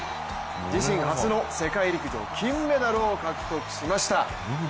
自身初の世界陸上金メダルを獲得しました。